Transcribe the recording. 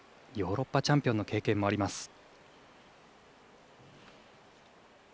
ヨーロッパチャンピオンの経験もあります。